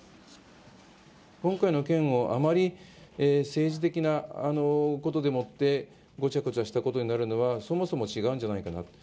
今回の件をあまり政治的なことでもって、ごちゃごちゃしたことになるのはそもそも違うんじゃないかなと。